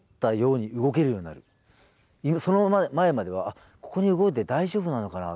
その前まではここに動いて大丈夫なのかな